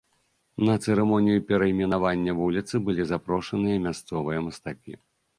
На цырымонію перайменавання вуліцы былі запрошаныя мясцовыя мастакі.